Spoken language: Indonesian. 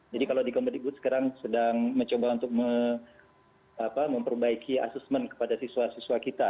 jadi kalau di kompetitbud sekarang sedang mencoba untuk memperbaiki assessment kepada siswa siswa kita